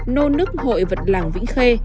nô nước hội vật làng vĩnh khê